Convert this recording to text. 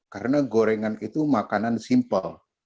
karena gorengan itu makanan simpel